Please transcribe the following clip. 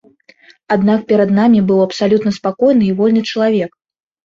Аднак перад намі быў абсалютна спакойны і вольны чалавек.